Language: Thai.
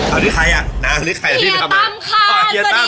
อ่านี่ใครอ่ะน้านี่ใคร